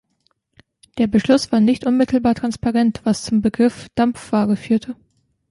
Der Beschluss war nicht unmittelbar transparent, was zum Begriff Dampfware führte.